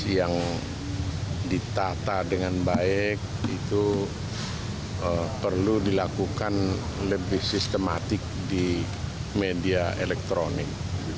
yang ditata dengan baik itu perlu dilakukan lebih sistematik di media elektronik